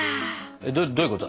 えっどういうこと？